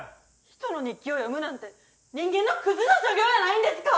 ・人の日記を読むなんて人間のくずの所業やないんですか！